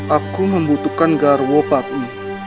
aku membutuhkan garwo batu